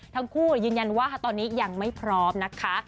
ทั้งคู่ยืนยันว่าตอนนี้ยังไม่พร้อมนะคะ